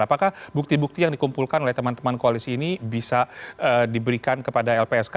apakah bukti bukti yang dikumpulkan oleh teman teman koalisi ini bisa diberikan kepada lpsk